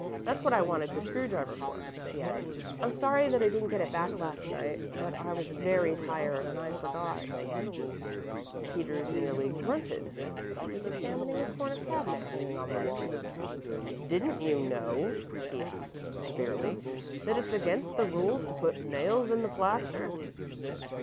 That's what I wanted the screw driver for," she added. "I'm sorry that I didn't get it back last night, but I was very tired, and I forgot." [Illustration: Men know such a lot about such things!] Peters merely grunted. He was examining a corner cabinet hanging on the wall. "Didn't you know," he asked severely, "that it's against the rules to put nails in the plaster?"